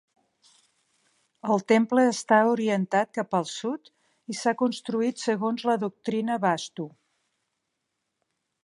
El temple està orientat cap al sud i s'ha construït segons la doctrina vastu.